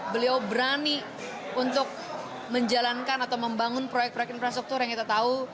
beliau berani untuk menjalankan atau membangun proyek proyek infrastruktur yang kita tahu